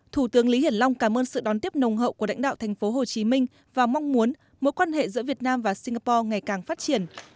thủ tướng lý hiển long cảm ơn sự đón tiếp nồng hậu của lãnh đạo thành phố hồ chí minh và mong muốn mối quan hệ giữa việt nam và singapore ngày càng phát triển